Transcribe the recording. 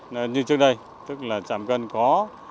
như trước đây tức là trạm cân có